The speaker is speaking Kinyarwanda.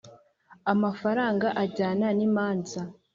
amafaranga ajyana n imanza